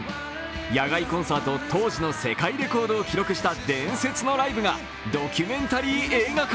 野外コンサート当時の世界レコードを記録した伝説のライブがドキュメンタリー映画化。